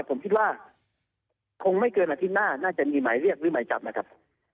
ผมคิดว่าคงไม่เกินอาทิตย์หน้าน่าจะมีหมายเรียกหรือหมายจับนะครับ